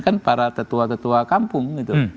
kan para tetua tetua kampung